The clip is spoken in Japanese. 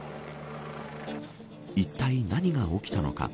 いったい何が起きたのか。